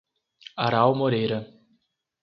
Aral Moreira